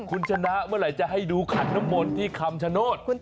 คุณชนะเมื่อไหร่จะให้ดูขันน้ำมนต์ที่คำชโนธ